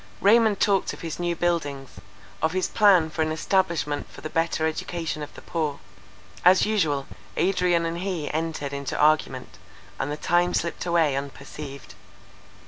Raymond talked of his new buildings; of his plan for an establishment for the better education of the poor; as usual Adrian and he entered into argument, and the time slipped away unperceived.